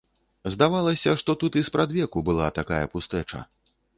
Здавалася, што тут і спрадвеку была такая пустэча.